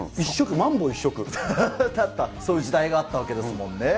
一色、だった、そういう時代があったわけですもんね。